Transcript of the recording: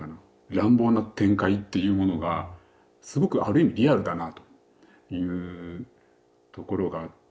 乱暴な展開っていうものがすごくある意味リアルだなというところがあって。